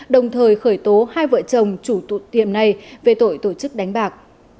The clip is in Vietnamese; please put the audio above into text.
đồng thời khởi tố hai vợ chồng chủ tiệm này về tội tổ chức đánh bạc